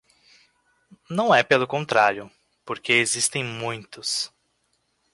Não, é, pelo contrário, porque existem muitos.